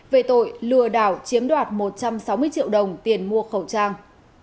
về tội lừa đảo chiếm đoạt một trăm sáu mươi triệu đồng tiền mua khẩu trang